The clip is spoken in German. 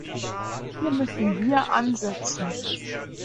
Hier müssen wir ansetzen.